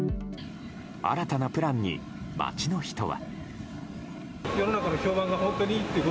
新たなプランに街の人は。